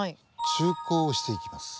中耕をしていきます。